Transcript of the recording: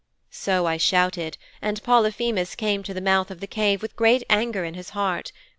"' 'So I shouted, and Polyphemus came to the mouth of the cave with great anger in his heart.